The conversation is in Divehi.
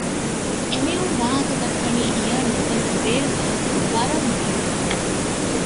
އެމީހުން ވާހަކަދައްކަނީ އިޔާން ނުދަންނަ ބޭރު ބަހަކުން ވަރަށް މަޑުން